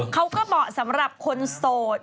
เขาก็บอกสำหรับคนโสด